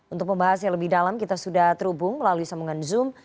untuk pembahas yang lebih dalam kita sudah terhubung melalui sambungan zoom